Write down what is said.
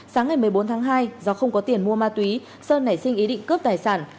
sáng ngày một mươi bốn tháng hai do không có tiền mua ma túy sơn nảy sinh ý định cướp tài sản